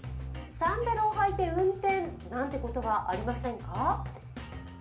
サンダルを履いて運転なんてことはありませんか？